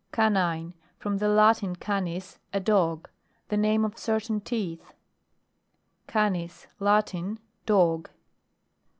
CANINE. From the Latin, canis, a dog. The name of certain teeth. CANIS. Latin. Dog.